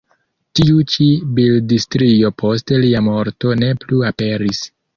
Tiu ĉi bildstrio post lia morto ne plu aperis.